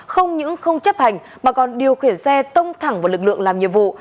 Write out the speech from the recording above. không những không chấp hành mà còn điều khiển xe tông thẳng vào lực lượng làm nhiệm vụ